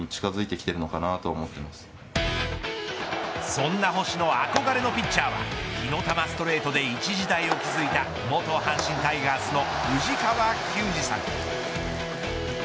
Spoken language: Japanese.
そんな星の憧れのピッチャーは火の玉ストレートで一時代を築いた元阪神タイガーズの藤川球児さん。